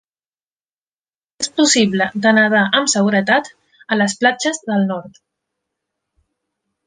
És possible de nadar amb seguretat a les platges del nord.